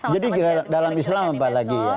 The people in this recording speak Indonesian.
jadi dalam islam apalagi ya